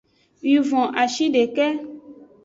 Wivon-ashideke.